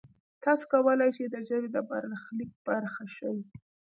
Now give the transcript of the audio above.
تاسو کولای شئ د ژبې د برخلیک برخه شئ.